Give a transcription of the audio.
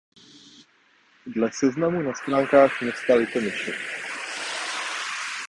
Dle seznamu na stránkách města Litomyšl.